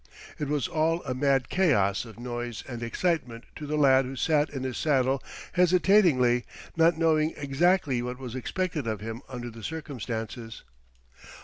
It was all a mad chaos of noise and excitement to the lad who sat in his saddle hesitatingly, not knowing exactly what was expected of him under the circumstances.